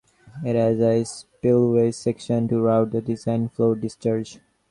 It has a spillway section to route the designed flood discharge.